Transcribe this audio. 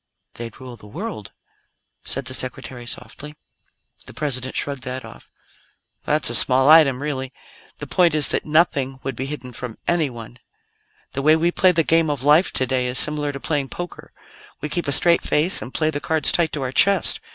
"They'd rule the world," said the Secretary softly. The President shrugged that off. "That's a small item, really. The point is that nothing would be hidden from anyone. "The way we play the Game of Life today is similar to playing poker. We keep a straight face and play the cards tight to our chest.